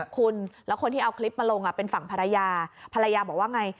คุณแล้วคนที่เอาคลิปมาลงเป็นฝั่งภรรยาภรรยาบอกว่าไง